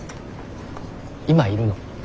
今いるの？